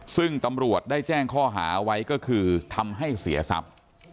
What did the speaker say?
ซึ่งตำรวจได้แจ้งข้อหาไว้ก็คือทำให้เสียทรัพย์